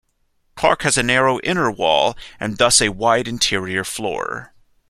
Clark has a narrow inner wall, and thus a wide interior floor.